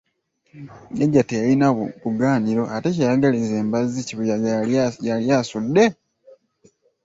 Jjajja teyalina bugaaniro ate kye yayagaliza embazzi kibuyaga yali tasudde?